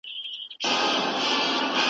سیندونه طبیعت ته ښکلا ورکوي.